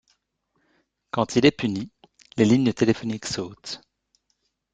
Quand il est puni, les lignes téléphoniques sautent.